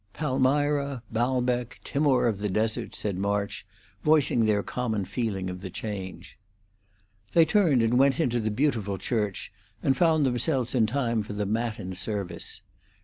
"Palmyra, Baalbec, Timour of the Desert," said March, voicing their common feeling of the change. They turned and went into the beautiful church, and found themselves in time for the matin service.